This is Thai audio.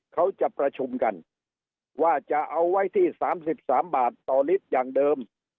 เขาจะประชุมกันว่าจะเอาไว้ที่๓๓บาทต่อลิตรอย่างเดิม